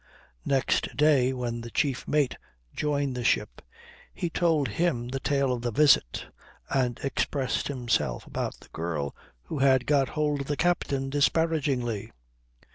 Next day, when the chief mate joined the ship, he told him the tale of the visit, and expressed himself about the girl "who had got hold of the captain" disparagingly.